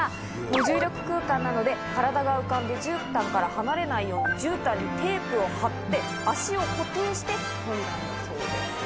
無重力空間なので体が浮かんでじゅうたんから離れないようにじゅうたんにテープを貼って足を固定して飛んだんだそうです。